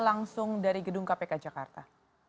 langsung dari gedung kpk jakarta